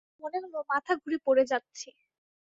মনে হল মাথা ঘুরে পড়ে যাচ্ছি।